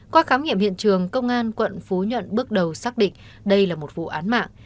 qua khám nghiệm hiện trường công an quận phú nhuận bước đầu xác định đây là một vụ án mạng